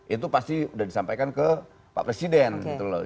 itu pasti udah disampaikan ke pak presiden gitu loh